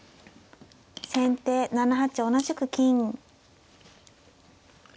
先手７八同じく金。